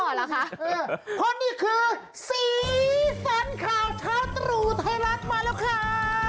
เพราะนี้คือซีเซ็นคาชาวตรุไทรัทมาเลยครับ